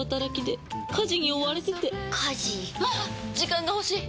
時間が欲しい！